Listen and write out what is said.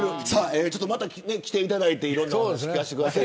また来ていただいていろいろな話を聞かせてください。